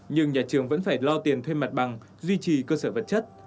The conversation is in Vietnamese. nhưng nhà trường vẫn phải lo tiền thuê mặt bằng duy trì cơ sở vật chất